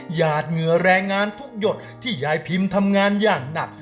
หยาดเหงื่อแรงงานทุกหยดที่ยายพิมทำงานอย่างหนัก